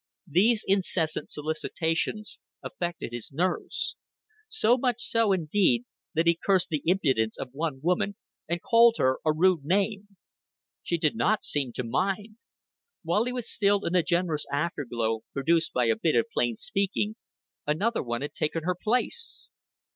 These incessant solicitations affected his nerves. So much so, indeed, that he cursed the impudence of one woman and called her a rude name. She did not seem to mind. While he was still in the generous afterglow produced by a bit of plain speaking, another one had taken her place.